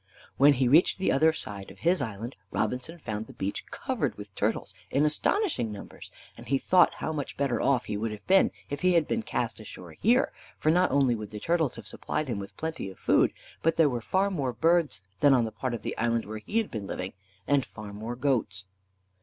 When he reached the other side of his island Robinson found the beach covered with turtles in astonishing numbers, and he thought how much better off he would have been if he had been cast ashore here, for not only would the turtles have supplied him with plenty of food, but there were far more birds than on the part of the island where he had been living, and far more goats.